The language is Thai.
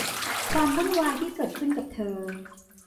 ความวุ่นวายที่เกิดขึ้นกับเธอ